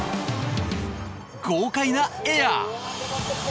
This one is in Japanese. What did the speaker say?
豪快なエア。